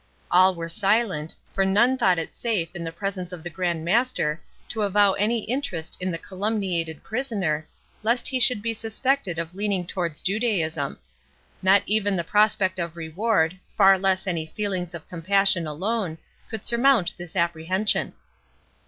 All were silent; for none thought it safe, in the presence of the Grand Master, to avow any interest in the calumniated prisoner, lest he should be suspected of leaning towards Judaism. Not even the prospect of reward, far less any feelings of compassion alone, could surmount this apprehension.